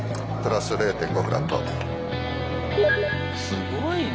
すごいな。